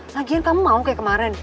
sajian kamu mau kayak kemarin